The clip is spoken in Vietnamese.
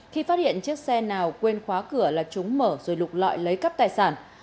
khi phát hiện chiếc xe nào quên khóa cửa là chúng mở rồi lục lọi lấy cắp tài sản